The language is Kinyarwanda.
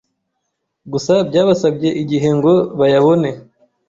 gusa byabasabye igihe ngo bayabone,